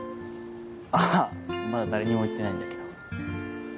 あぁまだ誰にも言ってないんだけど。